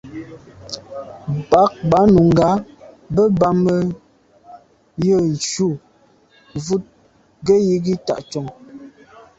Bə̀k bɑ̌ Nùngà bə̀ bɑ́mə́ yə̂ cû vút gə́ yí gí tchwatong.